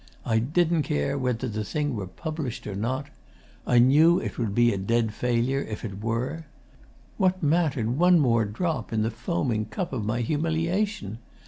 I didn't care whether the thing were published or not. I knew it would be a dead failure if it were. What mattered one more drop in the foaming cup of my humiliation?